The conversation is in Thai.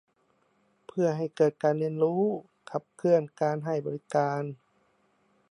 เพื่อให้เกิดการเรียนรู้ ขับเคลื่อนการให้บริการ